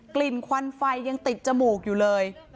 กลิ่นควันไฟยังติดจมูกอยู่เลย